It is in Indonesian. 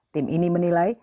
tim ini menilai